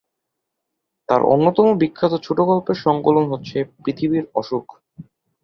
তার অন্যতম বিখ্যাত ছোট গল্পের সংকলন হচ্ছে "পৃথিবীর অসুখ"।'